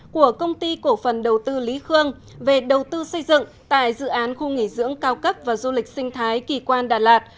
của công ty cổ phần đầu tư lý khương về đầu tư xây dựng tại dự án khu nghỉ dưỡng cao cấp và du lịch sinh thái kỳ quan đà lạt